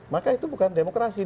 maka itu bukan demokrasi